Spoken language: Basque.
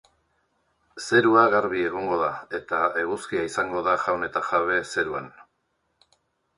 Zerua garbi egongo da eta eguzkia izango da jaun eta jabe zeruan.